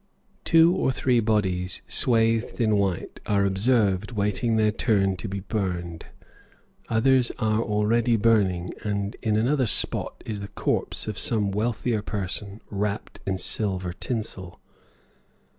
Two or three bodies swathed in white are observed waiting their turn to be burned, others are already burning, and in another spot is the corpse of some wealthier person wrapped in silver tinsel.